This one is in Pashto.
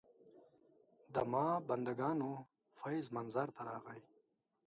د ما بندګانو فیض منظر ته راغی.